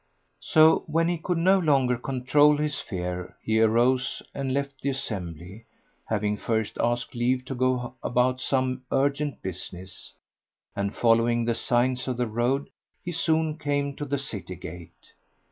So when he could no longer control his fear he arose and left the assembly, having first asked leave to go about some urgent business; and following the signs of the road he soon came to the city gate.